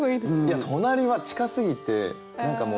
いや隣は近すぎて何かもう。